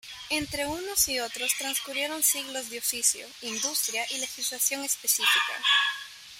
Entre unos y otros transcurrieron siglos de oficio, industria y legislación específica.